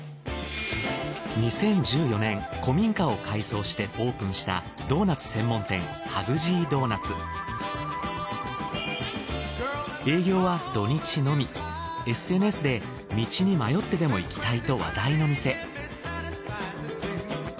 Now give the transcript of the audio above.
２０１４年古民家を改装してオープンしたドーナツ専門店ＳＮＳで道に迷ってでも行きたいと話題の店。